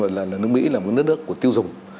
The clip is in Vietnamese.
gọi là nước mỹ là một nước nước của tiêu dùng